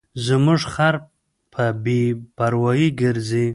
زموږ خر په بې پروایۍ ګرځي.